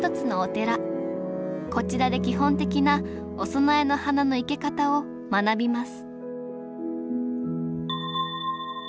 こちらで基本的なお供えの花の生け方を学びます